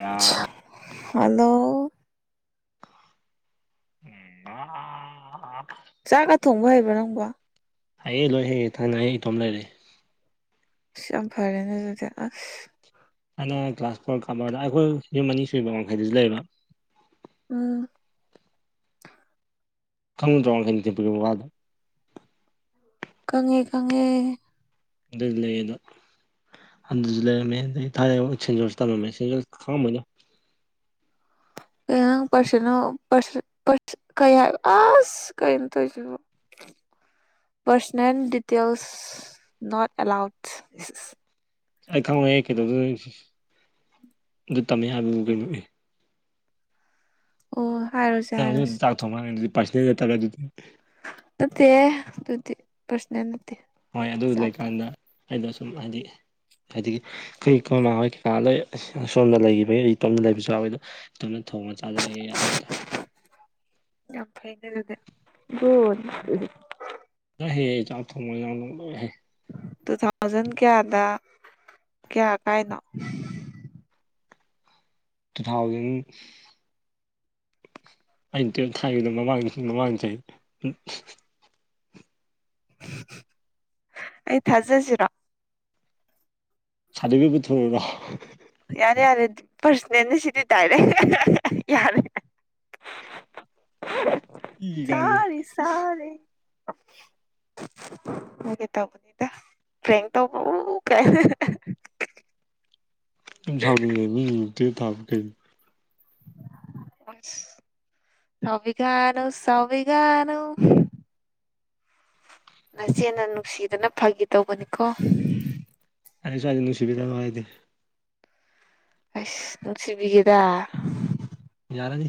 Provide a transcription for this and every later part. ꯑ ꯍꯜꯂꯣ ꯎꯝ ꯑ ꯆꯥꯛꯀ ꯊꯣꯡꯕ ꯍꯩꯕꯔꯣ ꯅꯪꯕꯣ ꯑꯩꯌꯦ ꯂꯣꯏ ꯍꯩꯌꯦ ꯊꯥꯏꯅ ꯑꯩ ꯏꯇꯣꯝ ꯂꯩꯔꯦ ꯌꯥꯝ ꯐꯔꯦꯅꯦ ꯑꯗꯨꯗꯤ ꯑ ꯑꯩꯅ ꯒꯀꯂꯥꯁ ꯐꯣꯔ ꯀꯥꯕꯔꯗ ꯑꯩꯈꯣꯏ ꯌꯨꯝ ꯑꯅꯤ ꯁꯨꯕ ꯋꯥꯡꯈꯩꯗꯁꯨ ꯂꯩꯕ ꯎꯝ ꯈꯪꯗ꯭ꯔꯣ ꯈꯩꯕ ꯋꯥꯗꯣ ꯀꯪꯉꯦ ꯀꯪꯉꯦ ꯑꯗꯨꯗꯤ ꯂꯩꯌꯦꯅ ꯍꯟꯗꯁꯨ ꯂꯩꯔꯝꯃꯦ ꯑꯗꯩ ꯊꯥꯏꯅ ꯁꯦꯟꯖꯣꯜꯁꯨ ꯇꯝꯂꯝꯃꯦ ꯁꯦꯟꯖꯣꯜ ꯈꯪꯉꯝꯃꯣꯏꯅꯦ ꯀ ꯅꯪ ꯄꯔꯁꯅꯣ ꯀꯩ ꯍꯥꯏ ꯑꯁ ꯀꯩꯅꯣ ꯇꯧꯔꯤꯁꯤ [unintelligible] ꯄꯔꯁꯅꯦꯜ ꯗꯤꯇꯜꯁ ꯅꯣꯠ ꯑꯦꯂꯥꯎꯠꯁ ꯑꯩ ꯈꯪꯉꯣꯏꯑꯦ ꯀꯩꯗꯧꯗꯅ ꯑꯗꯨ ꯇꯝꯃꯦ ꯍꯥꯏꯕꯕꯨ ꯀꯩꯅꯣꯏ ꯑꯣ ꯍꯥꯏꯔꯣꯏꯁꯦ ꯅꯪ ꯑꯗꯨꯝ ꯍꯥꯏꯔꯣꯏꯁꯦ ꯆꯥꯛ ꯊꯣꯡꯃꯦ ꯑꯗꯨꯗꯤ ꯄꯔꯁꯅꯦꯔꯒ ꯑꯗꯨꯗꯤ ꯅꯠꯇꯦ ꯄꯔꯁꯅꯦꯜ ꯅꯠꯇꯦ ꯍꯣꯏ ꯑꯗꯨ ꯆꯥꯛꯇꯣ ꯂꯩꯀꯥꯟꯗ ꯑꯩꯗꯣ ꯁꯨꯝ ꯍꯥꯏꯗꯤ ꯍꯥꯏꯗꯤ ꯀꯩ ꯈꯣꯏ ꯃꯥ ꯍꯣꯏ ꯀꯩꯀꯥ ꯂꯩ ꯁꯁꯣꯝꯗ ꯂꯩꯈꯤꯕꯒꯤ ꯏꯇꯣꯝꯗ ꯂꯩꯕꯁꯨ ꯌꯥꯎꯋꯦ ꯑꯗꯣ ꯑꯗꯨꯅ ꯊꯣꯡꯅ ꯆꯥꯖꯑꯦ ꯌꯥꯝ ꯌꯥꯝ ꯐꯩꯅꯦ ꯅꯪꯗꯤ ꯒꯨꯠ ꯂꯣꯏ ꯍꯩꯌꯦ ꯑꯩ ꯆꯥꯛ ꯊꯣꯡꯕ ꯌꯥꯝ ꯅꯨꯡꯗ ꯍꯦ ꯇꯨ ꯊꯥꯎꯖꯟ ꯀꯌꯥꯗ ꯀꯌꯥ ꯀꯥꯏꯅꯣ ꯇꯨ ꯊꯥꯎꯖꯟ ꯑꯩꯅ ꯇꯨꯌꯦꯜꯞ ꯊꯥꯏꯈꯤꯕꯗꯣ ꯃꯃꯥꯡ ꯃꯃꯥꯡ ꯆꯍꯤ ꯑꯩ ꯊꯥꯖꯁꯤꯔꯣ ꯁꯗꯤꯕꯤ ꯄꯨꯊꯣꯔꯛꯎꯔꯣ ꯌꯥꯔꯦ ꯌꯥꯔꯦ ꯄꯔꯁꯅꯦꯟꯅꯦ ꯁꯤꯗꯤ ꯗꯥꯢꯔꯦꯛ ꯌꯥꯔꯦ [unintelligible] ꯏ ꯀꯥꯏꯅ ꯁꯥꯔꯤ ꯁꯥꯔꯤ ꯐꯒꯦ ꯇꯧꯕꯅꯤꯗ ꯄꯔꯦꯡ ꯇꯧꯕꯥ ꯎ ꯎ ꯀꯥꯏꯅ ꯌꯁꯥꯡꯗꯨ ꯂꯩꯕ ꯌꯦꯇꯦ ꯇꯥꯕ ꯀꯩ ꯁꯧꯕꯤꯒꯅꯨ ꯁꯧꯕꯤꯒꯅꯨ ꯅꯆꯦꯅ ꯅꯨꯡꯁꯤꯗꯅ ꯐꯒꯤ ꯇꯧꯕꯅꯤꯀꯣ ꯑꯩ ꯁ꯭ꯋꯥꯏꯗ ꯅꯨꯡꯁꯤꯕꯤꯒ ꯅꯨ ꯍꯥꯏꯗꯦ ꯑꯁ ꯅꯨꯡꯁꯤꯕꯤꯒꯦꯗ ꯌꯥꯔꯥꯅꯤ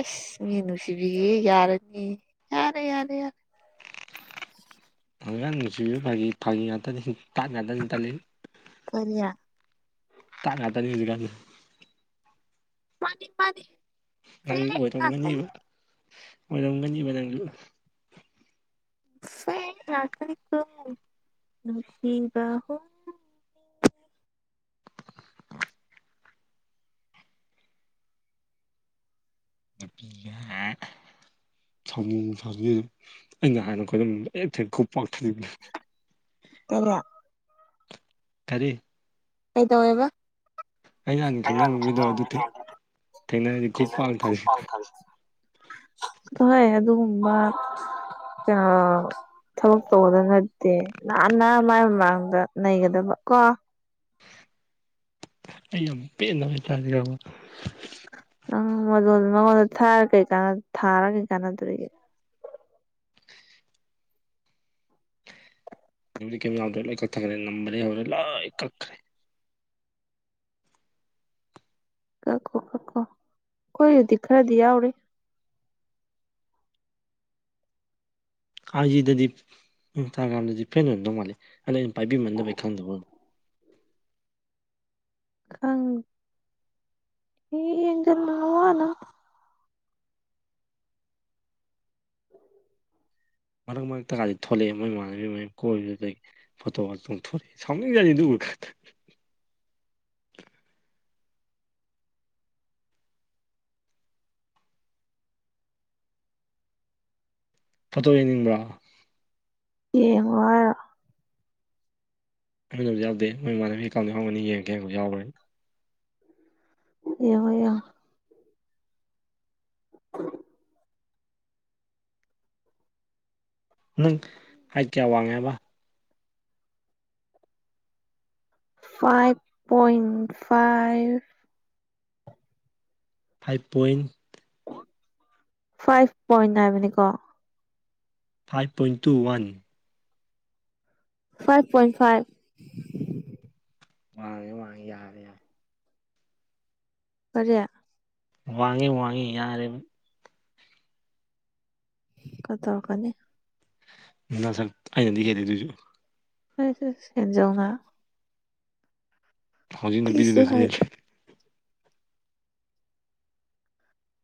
ꯑꯁ ꯃꯤꯅꯨꯁꯤꯕꯤ ꯌꯥꯔꯅꯤ ꯌꯥꯔꯦ ꯌꯥꯔꯦ ꯌꯥꯔꯦ ꯑꯉꯥꯡꯒꯤꯁꯨ ꯐꯥꯒꯤ ꯐꯥꯒꯤ ꯉꯥꯛꯇꯅꯤ ꯇꯥꯠ ꯉꯥꯛꯇꯅꯤ ꯇꯜꯂꯤ [unintelligible] ꯇꯥꯠ ꯉꯛꯇꯅꯤ ꯍꯧꯖꯤꯛꯀꯥꯟꯖꯦ ꯃꯥꯅꯤ ꯃꯥꯅꯤ ꯅꯪ ꯐꯦꯛ ꯉꯥꯛꯇꯅꯤ ꯑꯣꯏꯔꯝꯒꯅꯦꯕ ꯑꯣꯏꯔꯝꯒꯅꯦꯕ ꯅꯪꯖꯨ [unintelligible] ꯅꯨꯡꯁꯤꯕ ꯍꯨ ꯅꯨꯄꯤ ꯅꯥꯍꯥ [unintelligible] ꯇꯕꯔꯥ ꯀꯔꯤ ꯀꯩꯗꯧꯋꯦꯕ ꯑꯩꯅ ꯍꯥꯟꯅ ꯈꯪꯅꯕ ꯃꯤꯗꯣ ꯑꯗꯨ [unintelligible] ꯊꯦꯡꯅꯔꯗꯤ ꯈꯨꯠ ꯄꯥꯛꯅ ꯊꯥꯅꯤ ꯆꯠꯂꯣꯒꯦ ꯑꯗꯨꯨꯒꯨꯝꯕꯥ ꯑ ꯊꯕꯛ ꯇꯧꯒꯗꯕ ꯅꯠꯇꯦ ꯅꯥꯟꯅ ꯃꯥꯏ ꯃꯃꯥꯡꯗ ꯅꯩꯒꯗꯕ ꯀꯣ ꯑꯩ ꯌꯥꯝ ꯄꯦꯟꯗꯕ ꯍꯥꯏꯇꯥꯥꯔꯦ ꯌꯥꯝ ꯅꯪ [unintelligible] ꯃꯉꯣꯟꯗ ꯊꯥꯔ ꯀꯩꯀꯟ ꯊꯥꯔꯥ ꯀꯩ ꯀꯥꯟꯅꯗꯣꯔꯤꯒꯦ [unintelligible] ꯂꯣꯏ ꯀꯛꯈꯔꯦ ꯀꯥꯛꯈꯣ ꯀꯥꯛꯈꯣ ꯈꯣꯏꯗꯤ ꯈꯔꯗꯤ ꯌꯥꯎꯔꯤ ꯑꯥꯏꯖꯤꯗꯗꯤ ꯏꯟꯁꯇꯥꯒ꯭ꯔꯥꯝꯗꯗꯤ ꯐ꯭ꯔꯦꯟ ꯑꯣꯏꯔꯝꯗꯧ ꯃꯥꯜꯂꯦ ꯑꯗ ꯑꯩꯅ ꯄꯥꯏꯕꯤꯃꯟꯅꯕꯩ ꯈꯪꯗꯕ ꯈꯪ ꯌꯦꯡꯗꯦ ꯅꯋꯥꯅ ꯃꯔꯛ ꯃꯔꯛꯇꯀꯗꯤ ꯊꯣꯛꯂꯛꯑꯦ ꯃꯣꯏ ꯃꯥꯟꯅꯕꯤ ꯃꯩ ꯀꯣꯏꯕꯗꯨꯗꯒꯤ ꯐꯣꯇꯣꯒ ꯆꯣꯡꯊꯣꯔꯛꯑꯦ ꯁꯥꯎꯅꯤꯡꯖꯅꯤ ꯑꯗꯨꯒ ꯈꯠ ꯐꯣꯇꯣ ꯌꯦꯡꯅꯤꯡꯕ꯭ꯔꯥ ꯌꯦꯡꯉꯣ ꯍꯥꯏꯔꯣ꯫ ꯑꯩꯉꯣꯟꯗꯕꯨꯗꯤ ꯌꯥꯎꯗꯦ ꯃꯣꯏ ꯃꯃꯟꯅꯕꯤꯒꯤ ꯑꯦꯀꯥꯎꯟꯗ ꯌꯥꯎꯔꯝꯒꯅꯤ ꯌꯦꯡꯒꯦ ꯌꯥꯎꯕꯔꯥꯅꯥ ꯌꯦꯡꯉꯣ ꯌꯦꯡꯉꯣ ꯅꯪ ꯍꯥꯏꯠ ꯀꯌꯥ ꯋꯥꯡꯉꯦ ꯍꯥꯏꯕ five point five five point five point ꯅꯥꯏꯕꯅꯤꯀꯣ five point two one five point five ꯋꯥꯉꯦ ꯋꯥꯉꯦ ꯌꯥꯔꯦ ꯌꯥꯔꯦ ꯀꯔꯤ ꯋꯥꯡꯉꯦ ꯋꯥꯡꯉꯦ ꯌꯥꯔꯦꯕ ꯈꯔꯥ ꯇꯧꯔꯛꯀꯅꯤ ꯅꯁꯛ ꯑꯩꯅꯗꯤ ꯍꯦꯜꯂꯤ ꯑꯗꯣꯏꯁꯨ ꯑꯁ ꯑꯁ ꯍꯦꯟꯖꯧꯅ ꯍꯧꯖꯤꯛ ꯀꯩꯁꯨ ꯅꯨꯄꯤꯗꯨꯅꯁꯨ ꯍꯦꯜꯂꯤ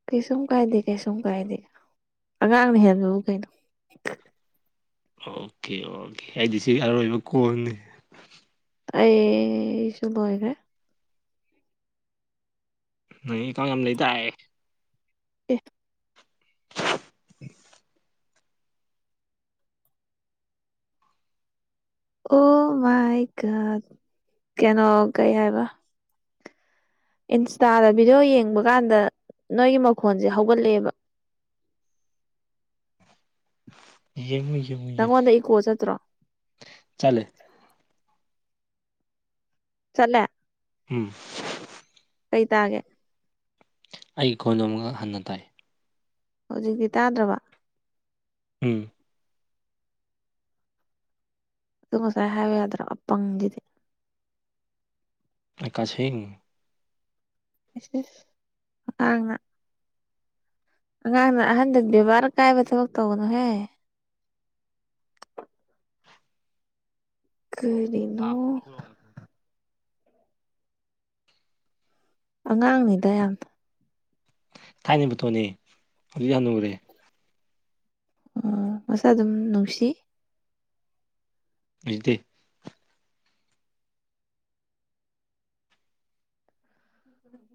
ꯀꯩꯁꯨꯝ ꯀꯥꯏꯗꯦ ꯀꯩꯁꯨꯝ ꯀꯥꯏꯗꯦ ꯑꯉꯥꯡꯅ ꯍꯦꯟꯕꯕꯨ ꯀꯩꯅꯣ ꯑꯣꯀꯦ ꯑꯣꯀꯦ ꯑꯩꯗꯤ ꯁꯤꯒꯤ ꯑꯔꯣꯏꯕ ꯈꯣꯜꯅꯤ ꯑꯩ ꯁꯨ ꯂꯣꯢꯒ꯭ꯔꯦ ꯅꯣꯏ ꯑꯦꯛꯀꯥꯎꯟ ꯌꯥꯝ ꯂꯩꯗꯥꯏꯑꯦ ꯑꯦ ꯑꯣ ꯃꯥꯏ ꯒꯣꯠ ꯀꯩꯅꯣ ꯀꯩ ꯍꯥꯏꯕ ꯏꯟꯁꯇꯥꯗ ꯚꯤꯗꯤꯑꯣ ꯌꯦꯡꯕ ꯀꯥꯟꯗ ꯅꯣꯏꯒꯤ ꯃꯈꯣꯟꯖꯦ ꯍꯧꯒꯠꯂꯦꯕ ꯌꯦꯡꯉꯨ ꯌꯦꯡꯉꯨ ꯌꯦꯡꯉꯨ ꯅꯪꯉꯣꯟꯗ ꯏꯀꯣ ꯆꯠꯇ꯭ꯔꯣ ꯆꯂꯦ ꯆꯠꯂꯦ ꯎꯝ ꯑꯩ ꯇꯥꯒꯦ ꯑꯩꯒꯤ ꯀꯣꯂꯣꯝ ꯈꯛ ꯍꯟꯅ ꯇꯥꯏ ꯍꯧꯖꯤꯛꯇꯤ ꯇꯥꯗ꯭ꯔꯕ ꯎꯝ ꯑꯗꯨ ꯉꯁꯥꯢꯅ ꯍꯥꯢꯌꯨ ꯌꯥꯗ꯭ꯔꯣ ꯑꯄꯪꯁꯤꯗꯤ ꯍꯩꯀꯥꯁꯤꯡ ꯢꯁ ꯢꯁ ꯑꯉꯥꯡꯅ ꯑꯉꯥꯡꯅ ꯑꯍꯟꯗ ꯕꯦꯕꯥꯔ ꯀꯥꯏꯕ ꯊꯕꯛ ꯇꯧꯒꯅꯨꯍꯦ ꯀꯔꯤꯅꯣ ꯑꯉꯥꯡꯅꯤꯗ ꯌꯥꯝ ꯊꯥꯏꯅ ꯐꯣꯇꯦꯅꯦ ꯍꯧꯖꯤꯛ ꯍꯅꯨꯔꯦ ꯎꯝ ꯃꯁꯛ ꯑꯗꯨꯝ ꯅꯨꯡꯁꯤ ꯍꯧꯖꯤꯛꯇꯤ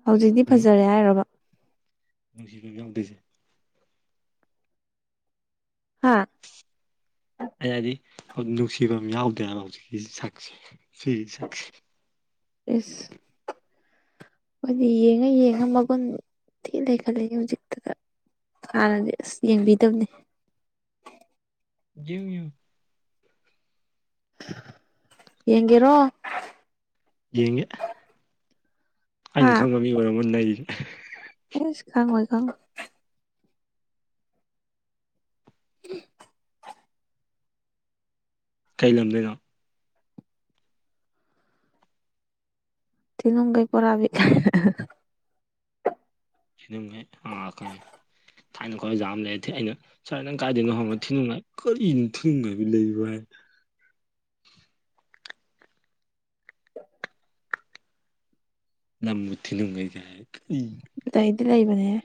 ꯍꯧꯖꯤꯛꯇꯤ ꯐꯖꯔꯦ ꯍꯥꯏꯔꯣꯕ ꯅꯨꯡꯁꯤꯕꯝ ꯌꯥꯎꯗꯩꯁꯦ ꯍꯥ ꯑꯩ ꯍꯥꯏꯗꯤ ꯅꯨꯡꯁꯤꯕꯝ ꯌꯥꯎꯗꯦ ꯍꯥꯏꯕ ꯍꯧꯖꯤꯛꯀꯤ ꯁꯛꯁꯦ ꯁꯤꯒꯤ ꯁꯛꯁꯦ ꯢꯁ ꯑꯩꯈꯣꯏꯗꯤ ꯌꯦꯡꯉ ꯌꯦꯡꯉ ꯃꯒꯨꯟ ꯊꯤ ꯂꯩꯈꯠꯂꯛꯢ ꯍꯧꯖꯤꯛꯇꯗ ꯍꯥꯟꯅꯗꯤ ꯑꯁ ꯌꯦꯡꯕꯤꯗꯝꯅꯦ ꯌꯦꯡꯉꯨ ꯌꯦꯡꯉꯨ ꯌꯦꯡꯒꯦꯔꯣ ꯌꯦꯡꯒꯦ ꯍꯥ ꯑꯩꯅ ꯈꯪꯕ ꯃꯤ ꯑꯣꯏꯔꯝꯃ ꯅꯩꯒꯦ ꯢꯁ ꯈꯪꯉꯣꯏ ꯈꯪꯉꯣꯏ [inaudible] ꯀꯩ ꯂꯝꯗꯩꯅꯣ ꯊꯤꯅꯨꯡꯒꯩ ꯄꯣꯔꯥꯕꯤ ꯊꯤꯅꯨꯡꯒꯩ ꯑꯥ ꯈꯪꯉꯦ ꯊꯥꯏꯅ ꯑꯈꯣꯢ ꯈꯣꯖꯥ ꯑꯃ ꯂꯩ ꯑꯩꯅ ꯁꯔ ꯅꯪ ꯀꯥꯏꯗꯩꯩꯅꯣ ꯍꯪꯕ ꯊꯤꯅꯨꯡꯒꯩ ꯀꯔꯤꯅꯣ ꯊꯤꯅꯨꯡꯒꯩꯕꯨ ꯂꯩꯕ꯭ꯔꯣ ꯍꯥꯏꯅ ꯂꯝꯕꯨꯨ ꯊꯤꯅꯨꯡꯒꯩ ꯍꯥꯢ ꯀꯔꯤ ꯂꯩꯗꯤ ꯂꯩꯕꯅꯤꯍꯦ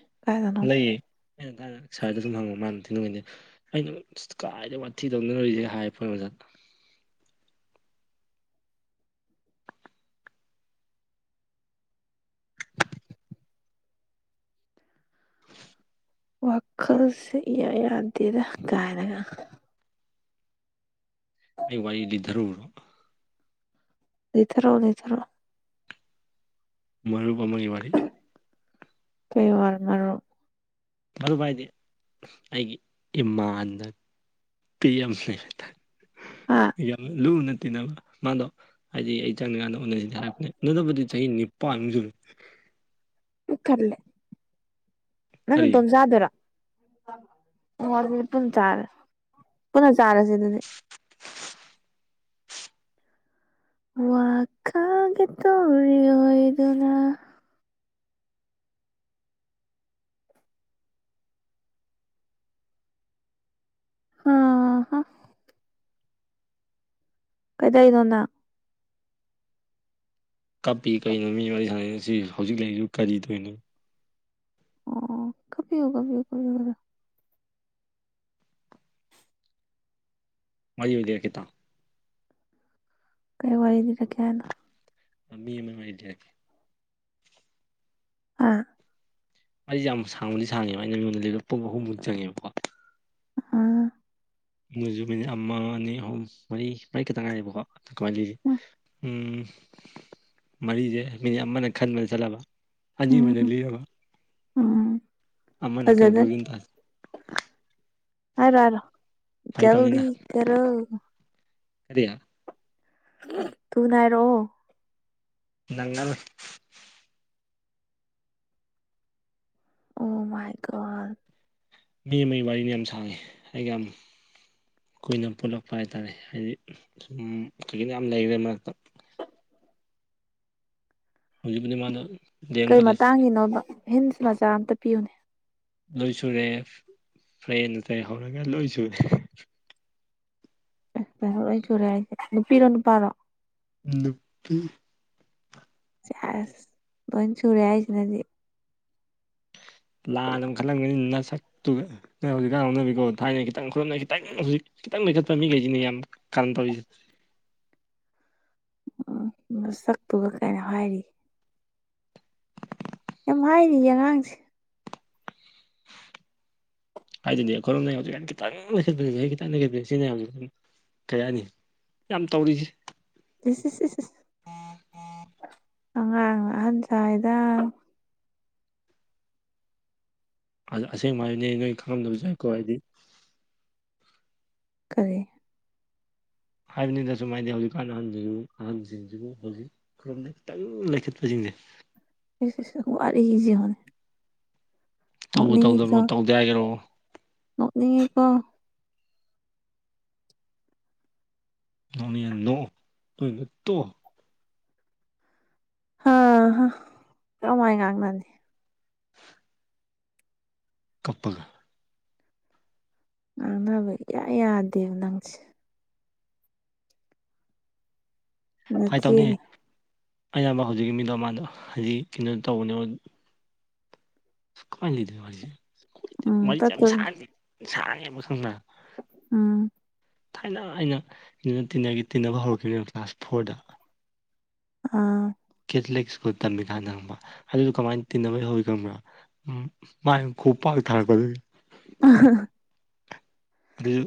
ꯂꯩꯌꯦ ꯑꯩꯅ ꯇꯥꯗꯕ ꯁꯔꯗ ꯁꯨꯝ ꯍꯪꯕ ꯃꯥꯅ ꯊꯤꯅꯨꯡꯒꯩꯗꯩ ꯑꯩꯅ ꯀꯥꯏꯗ ꯋꯥꯊꯤ ꯇꯧꯅꯔꯣꯢꯁꯦ ꯍꯥꯏ ꯄꯣꯠꯅꯤ ꯑꯣꯖꯥꯗ [inaudible] ꯋꯥꯈꯜꯁꯦ ꯢꯌꯥ ꯌꯥꯗꯦꯗ ꯀꯥꯏꯅꯒ ꯑꯩ ꯋꯥꯔꯤ ꯂꯤꯗꯔꯧꯔꯣ ꯂꯤꯊꯔꯣ ꯂꯤꯊꯔꯣ ꯃꯔꯨꯞ ꯑꯃꯒꯤ ꯋꯥꯔꯤ ꯀꯩ ꯋꯥꯔ ꯃꯔꯨꯞ ꯃꯔꯨꯞ ꯍꯥꯏꯗꯤ ꯑꯩꯒꯤ ꯏꯃꯥꯟꯅ ꯄꯤ ꯑꯦꯝꯁꯤꯡ ꯑꯥ ꯌꯥꯝ ꯂꯨꯅ ꯇꯤꯟꯅꯕ ꯃꯥꯗꯣ ꯍꯥꯏꯗꯤ ꯑꯩ ꯆꯪꯗꯔ꯭ꯤꯀꯥꯟꯗ ꯎꯟꯅꯁꯤꯗꯤ ꯍꯥꯏꯔꯛꯄꯅꯦ ꯅꯣꯏꯗꯕꯨꯗꯤ ꯆꯍꯤ ꯅꯤꯄꯥꯟꯃꯨꯛ ꯁꯨꯔꯦ ꯄꯨꯛ ꯊꯜꯂꯦ ꯅꯪ ꯀꯔꯤ ꯅꯇꯣꯝ ꯆꯥꯗꯣꯏꯔꯣ ꯍꯣ ꯑꯗꯨꯗꯤ ꯄꯨꯟꯅ ꯆꯥꯔꯁꯦ ꯄꯨꯟꯅ ꯆꯥꯔꯁꯤ ꯑꯗꯨꯗꯤ ꯋꯥꯈꯜꯒꯤ ꯇꯧꯔꯤ ꯑꯣꯢꯗꯨꯅ ꯍꯥ ꯍꯥ ꯀꯩꯗꯩꯅꯣ ꯅꯪ ꯀꯞꯄꯤ ꯀꯔꯤꯅꯣ ꯃꯤ ꯋꯥꯔꯤ ꯁꯥꯟꯅꯩꯅꯤ ꯁꯤ ꯍꯧꯖꯤꯛ ꯂꯩꯔꯤꯕꯨ ꯀꯔꯤꯇꯧꯏꯅꯣ ꯑꯣ ꯀꯄꯤꯌꯨ ꯀꯄꯤꯌꯨ ꯀꯄꯤꯌꯨ ꯋꯥꯔꯤ ꯂꯤꯔꯛꯀꯦ ꯇꯥꯎ ꯀꯩ ꯋꯥꯔꯤ ꯂꯤꯔꯛꯀꯦ ꯍꯥꯏꯅꯣ ꯃꯤ ꯑꯃ ꯋꯥꯔꯤ ꯂꯤꯔꯛꯀꯦ ꯑꯥ ꯑꯩꯖꯦ ꯌꯥꯝ ꯁꯥꯡꯕꯗꯤ ꯁꯥꯡꯉꯦꯕ ꯑꯩꯅ ꯅꯣꯏꯗ ꯂꯤꯕ ꯄꯨꯡ ꯑꯨꯍꯨꯝꯃꯨꯛ ꯆꯪꯉꯦꯕꯀꯣ ꯑꯥ ꯃꯣꯏꯖꯨ ꯃꯤꯅꯤꯠ ꯑꯃ ꯑꯅꯤ ꯑꯍꯨꯝ ꯃꯔꯤ ꯃꯔꯤ ꯈꯛꯇꯪ ꯉꯥꯏꯔꯦꯕꯀꯣ ꯀꯃꯥꯏꯅ ꯂꯤꯖꯤ ꯎꯝ ꯃꯔꯤꯖꯦ ꯃꯤꯅꯤꯠ ꯑꯃꯅ ꯈꯟꯕꯗ ꯆꯠꯂꯕ ꯍꯥꯖꯤꯕꯅ ꯎꯝ ꯂꯤꯔꯑꯣ ꯎꯝ ꯑꯃꯅ ꯐꯖꯗꯣꯔꯤ ꯀꯟꯀ꯭ꯂꯨꯖꯟ ꯍꯥꯏꯔꯣ ꯍꯥꯏꯔꯣ ꯐꯥꯒꯤ ꯖꯜꯗꯤ ꯇꯧꯅꯤꯗ ꯀꯔꯣ ꯀꯔꯤ ꯊꯨꯅ ꯍꯥꯏꯔꯣ ꯅꯪꯉꯜ ꯑꯣ ꯃꯥꯏ ꯒꯣꯠ ꯃꯤ ꯑꯃꯒꯤ ꯋꯥꯔꯤꯅꯦ ꯌꯥꯝ ꯁꯥꯡꯉꯦ ꯑꯩꯒ ꯌꯥꯝ ꯀꯨꯏꯅ ꯄꯨꯜꯂꯛꯄ ꯍꯥꯏ ꯇꯥꯔꯦ ꯍꯥꯏꯗꯤ ꯁꯨꯝ ꯀꯩꯀꯩꯅꯣ ꯌꯥꯝ ꯂꯩꯒ꯭ꯔꯦ ꯃꯔꯛꯇ ꯍꯧꯖꯤꯛꯄꯨꯗꯤ ꯃꯥꯅ ꯀꯩ ꯃꯇꯥꯡꯒꯤꯅꯣꯕ ꯍꯤꯟꯁ ꯃꯆꯥ ꯑꯝꯇ ꯄꯤꯌꯨꯅꯦ ꯂꯣꯏ ꯁꯨꯔꯦ ꯐ꯭ꯔꯦꯟ ꯀꯩꯗꯩ ꯍꯧꯔꯒ ꯂꯣꯏ ꯁꯨꯔꯦ ꯂꯥꯏꯍꯧ ꯂꯣꯏ ꯁꯨꯔꯦ ꯍꯥꯏꯁꯦ ꯅꯨꯄꯤꯔꯣ ꯅꯨꯄꯥꯔꯣ ꯅꯨꯄꯤ ꯆꯑꯁ ꯂꯣꯏ ꯁꯨꯔꯦ ꯍꯥꯏꯁꯤꯅꯗꯤ ꯂꯥꯟꯅ ꯑꯃꯨꯛ ꯈꯜꯂꯝꯒꯅꯤ ꯅꯁꯛ ꯑꯗꯨꯒ ꯅꯪ ꯍꯧꯖꯤꯛꯀꯥꯟ ꯍꯧꯅꯕꯤꯀꯣ ꯊꯥꯏꯅ ꯈꯤꯇꯪ ꯈꯨꯔꯞꯅ ꯈꯤꯇꯪ ꯍꯧꯖꯤꯛ ꯈꯤꯇꯪ ꯂꯩꯈꯠꯄ ꯃꯤꯈꯩꯁꯤꯅꯦ ꯌꯥꯝ ꯀꯔꯝ ꯇꯧ ꯎ ꯃꯁꯛꯇꯨꯒ ꯀꯩꯅꯣ ꯍꯥꯏꯔꯤ ꯌꯥꯝ ꯍꯥꯏꯅꯤꯌꯦ ꯑꯉꯥꯡꯁꯤ ꯍꯥꯏꯗꯤꯅꯦ ꯑꯩꯈꯣꯏꯔꯣꯝꯅꯁꯨ ꯈꯤꯇꯪ ꯂꯁꯤꯠꯄ ꯈꯤꯇꯪ ꯂꯩꯈꯠ ꯁꯤꯅꯦ ꯀꯩ ꯍꯥꯏꯅꯤ ꯌꯥꯝ ꯇꯧꯔꯤꯁꯦ ꯏꯁ ꯏꯁ ꯏꯁ ꯑꯉꯥꯡꯅ ꯑꯍꯟ ꯁꯥꯏꯗ ꯑꯁꯦꯡꯕ ꯍꯥꯏꯅꯦ ꯅꯣꯏ ꯈꯪꯉꯝꯗꯕꯁꯨꯌꯥꯏꯀꯣ ꯍꯥꯏꯗꯤ ꯀꯔꯤ ꯍꯥꯏꯕꯅꯤꯗꯁꯨꯃꯥꯏꯗꯤ ꯍꯧꯖꯤꯛꯀꯥꯟ ꯑꯍꯟꯁꯤꯡꯕꯨ ꯑꯍꯟꯁꯤꯡꯁꯤꯕꯨ ꯍꯧꯖꯤꯛ ꯈꯨꯔꯣꯝꯗ ꯈꯤꯇꯪ ꯂꯩꯈꯠꯄꯁꯤꯡꯁꯦ ꯋꯥꯔꯤꯁꯦ ꯌꯦꯡꯉꯨꯅꯦ ꯇꯧꯕ ꯅꯣꯛꯅꯤꯡꯉꯤꯀꯣ ꯇꯧꯗꯕꯅꯣ ꯇꯧꯗꯦ ꯍꯥꯏꯒꯤꯔꯣ ꯅꯣꯛꯅꯤꯡꯉꯤꯀꯣ ꯅꯣꯛꯅꯤꯡꯉ ꯅꯣꯛꯎ ꯅꯣꯛꯅꯤꯡꯗ꯭ꯔ ꯇꯣꯛꯎ ꯍꯥ ꯍ ꯀꯔꯃꯥꯏ ꯉꯥꯡꯅꯅꯤ ꯀꯞꯄꯒ ꯉꯥꯡꯅꯕ ꯏꯌꯥ ꯌꯥꯗꯦꯕ ꯅꯪꯁꯦ ꯐꯏꯇꯧꯅꯤ ꯅꯆꯦꯅꯤ ꯑꯌꯥꯝꯕ ꯍꯧꯖꯤꯛꯀꯤ ꯃꯤꯗꯣ ꯃꯥꯗꯣ ꯍꯧꯖꯤꯛ ꯀꯩꯅꯣ ꯇꯧꯕꯅꯦ ꯀꯃꯥꯏ ꯂꯤꯗꯣꯏꯅꯣ ꯋꯔꯤꯖꯦ ꯎꯝ ꯋꯔꯤꯖꯦ ꯌꯥꯝ ꯇꯠꯇꯣꯔꯤ ꯁꯥꯡꯗꯤ ꯁꯥꯡꯉꯦꯕ ꯈꯡꯕꯔꯥ ꯎꯝ ꯊꯥꯏꯅ ꯑꯩꯅ ꯇꯤꯟꯅꯕ ꯍꯧꯔꯛꯈꯤꯕꯅꯤꯅ ꯀ꯭ꯂꯥꯁ ꯐꯣꯔꯗ ꯑꯥ ꯀꯦꯊꯂꯤꯛ ꯁ꯭ꯀꯨꯜ ꯇꯝꯃꯤ ꯀꯥꯟꯗ ꯈꯪꯕ ꯑꯗꯨꯗꯨ ꯀꯃꯥꯏꯅ ꯇꯤꯟꯅꯕꯩ ꯍꯧꯏ ꯈꯪꯕ꯭ꯔꯥ ꯎꯝ ꯃꯥꯥꯅꯦ ꯈꯨ ꯄꯥꯛ ꯊꯥꯔꯛꯄ ꯑꯗꯨꯒꯤ ꯑꯍꯍ ꯑꯗꯨꯁꯨ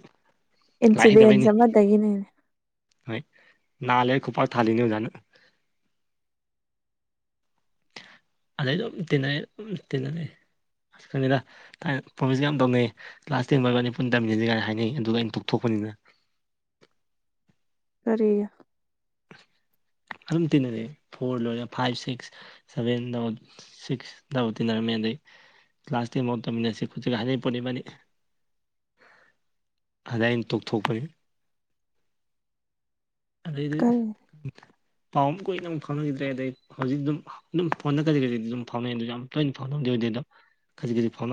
ꯂꯥꯏꯛ ꯏꯟꯁꯤꯗꯦꯟꯁ ꯍꯩꯗꯕꯩꯅꯤ ꯑꯃꯗꯒꯤꯅꯦ ꯍꯣꯏ ꯅꯥ ꯂꯩꯔ ꯈꯨꯄꯥꯛ ꯊꯥꯅꯤꯖꯅ ꯑꯗꯩ ꯑꯗꯨꯝ ꯇꯤꯟꯅꯩ ꯑꯗꯨꯝ ꯇꯤꯟꯅꯂꯩ ꯈꯪꯗꯦꯗ ꯥꯊꯥꯏꯅ ꯄ꯭ꯔꯣꯃꯤꯁꯒ ꯌꯥꯝ ꯇꯧꯅꯩ ꯀ꯭ꯂꯥꯁ ꯇꯦꯟꯕꯥꯎ ꯏꯕꯥꯅꯤ ꯄꯨꯟ ꯇꯝꯃꯤꯟꯁꯤ ꯀꯥꯏꯅ ꯍꯥꯏꯅꯩ ꯑꯗꯨꯒ ꯑꯩꯅ ꯇꯣꯛꯊꯣꯛꯄꯅꯥꯗꯅ ꯇꯣꯛꯊꯣꯛꯄꯅꯤꯗꯅ ꯀꯔꯤꯒꯤ ꯑꯗꯨꯝ ꯇꯤꯟꯅꯔꯛꯏ ꯐꯣꯔ ꯂꯣꯏꯔꯒ ꯐꯥꯏꯚ ꯁꯤꯛꯁ ꯁꯕꯦꯟ ꯗꯃꯨꯛ ꯁꯤꯛꯁ ꯇꯃꯨꯛ ꯀꯂꯥꯁ ꯇꯦꯟꯕꯥꯎ ꯇꯝꯃꯤꯟꯅꯁꯤ ꯈꯣꯠꯁꯤ ꯍꯥꯏꯥꯟꯅꯩ ꯄꯣꯠꯅꯤꯕꯅꯤ ꯑꯗꯨꯗ ꯑꯩꯅ ꯇꯧꯊꯣꯛꯄꯅꯤ ꯑꯗꯩꯗꯤ ꯀꯔꯤ ꯄꯥꯎ ꯑꯃꯨꯛ ꯀꯨꯏꯅ ꯑꯃꯨꯛ ꯐꯥꯎꯅꯈꯤꯗ꯭ꯔꯦ ꯑꯗꯩ ꯍꯧꯖꯤꯛ ꯑꯗꯨꯝ ꯑꯗꯨꯝ ꯐꯣꯟꯗ ꯀꯔꯤ ꯀꯔꯤ ꯑꯗꯨꯝ ꯐꯥꯎꯅꯩ ꯑꯗꯨ ꯌꯥꯝ ꯇꯣꯏꯅ ꯐꯥꯎꯅꯗ ꯑꯣꯏꯗꯦ ꯑꯗꯨꯝ ꯀꯔꯤ ꯀꯔꯤ ꯐꯥꯎꯅꯩ